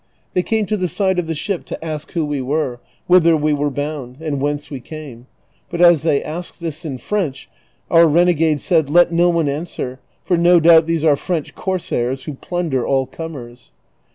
They came to the side of the ship to ask who we were, whither we were bound, and whence we came, but as they asked this in French out renegade said, " Let no one answer, for no doubt these are French corsairs who plunder all comers."